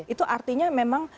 itu artinya memang